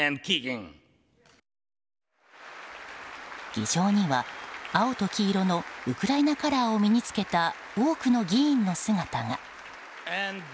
議場には青と黄色のウクライナカラーを身に付けた多くの議員の姿が。